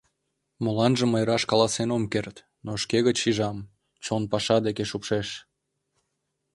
— Моланжым мый раш каласен ом керт, но шке гыч шижам: чон паша деке шупшеш.